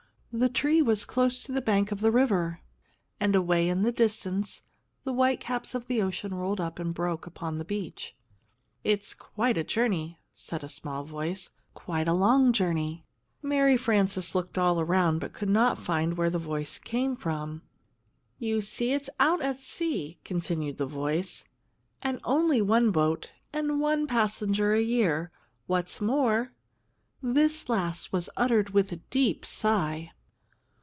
The tree was close to the bank of the river, and away in the distance the whitecaps of the ocean rolled up and broke upon the beach. "It's quite a journey," said a small voice, "quite a long journey." Mary Frances looked all around, but could not find where the voice came from. "You see, it's out at sea," continued the voice; "and only one boat and one passenger a year. What's more " This last was uttered with a deep sigh.